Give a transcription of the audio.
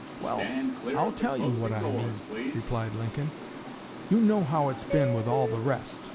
"Well, I'll tell you what I mean," replied Lincoln. "You know how it's been with all the rest.